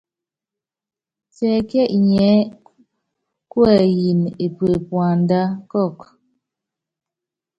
Tiɛkíɛ inyiɛ́ kuɛyini epue puanda kɔkɔ?